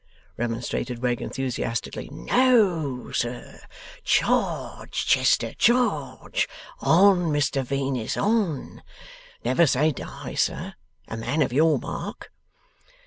remonstrated Wegg, enthusiastically. 'No, Sir! "Charge, Chester, charge, On, Mr Venus, on!" Never say die, sir! A man of your mark!